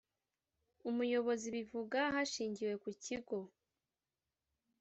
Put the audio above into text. umuyobozi bivuga hashingiwe ku kigo